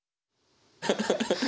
ハハハハ。